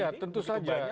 ya tentu saja